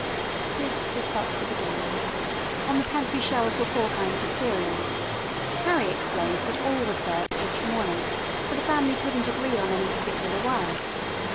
This was but the beginning. On the pantry shelf were four kinds of cereals. Carrie explained that all were served each morning, for the family could n't agree on any particular one.